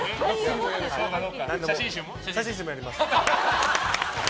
写真集もやります。